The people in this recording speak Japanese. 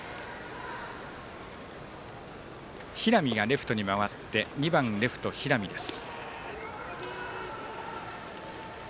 平見がレフトに回って２番、レフト、平見です。